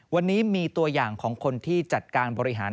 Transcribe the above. วันนี้มีตัวอย่างของคนที่จัดการบริหาร